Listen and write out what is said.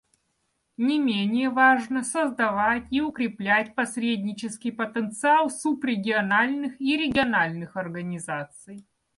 Не менее важно создавать и укреплять посреднический потенциал субрегиональных и региональных организаций.